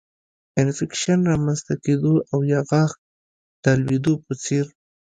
انفکشن رامنځته کېدو او یا غاښ د لوېدو په څېر